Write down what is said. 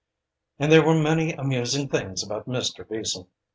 And there were many amusing things about Mr. Beason.